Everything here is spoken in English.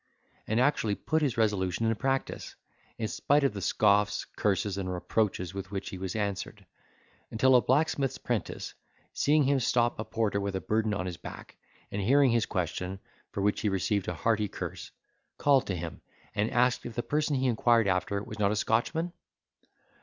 and actually put his resolution in practice, in spite of the scoffs, curses, and reproaches with which he was answered; until a blacksmith's 'prentice seeing him stop a porter with a burden on his back, and hearing his question, for which he received a hearty curse, called to him, and asked if the person he inquired after was not a Scotchman?